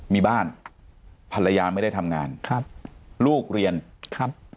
มีบ้านภรรยาไม่ได้ทำงานครับลูกเรียนครับ